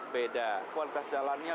beda kualitas jalannya